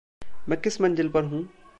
मैं किस मंज़िल पर हूँ?